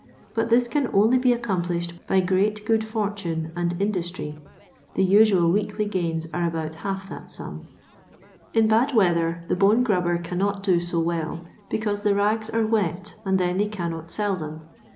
but this can only be accom plished by great good fortune and industry — the usual weekly gains are about half that sum. In bad weather the bone grubber cannot do so well, because the rags are wet, and then they cannot sell them.